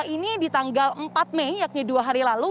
ini di tanggal empat mei yakni dua hari lalu